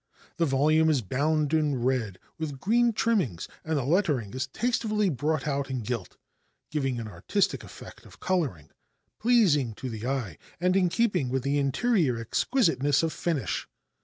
The volume is bound in red, with green trimmings, and the lettering is tastefully brought out in gilt, giving an artistic effect of coloring, pleasing to the eye and in keeping with the interior exquisiteness of finish.